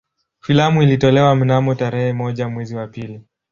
Filamu ilitolewa mnamo tarehe moja mwezi wa pili